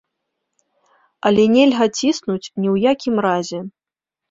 Але нельга ціснуць ні ў якім разе.